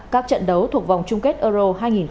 các trận đấu thuộc vòng chung kết euro hai nghìn hai mươi